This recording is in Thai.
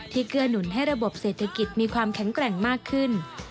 เกื้อหนุนให้ระบบเศรษฐกิจมีความแข็งแกร่งมากขึ้น